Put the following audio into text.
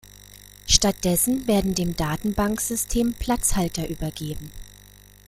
Stattdessen werden dem Datenbanksystem Platzhalter übergeben.